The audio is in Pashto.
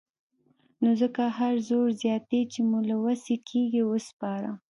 نو ځکه هر زور زياتی چې مو له وسې کېږي وسپاره.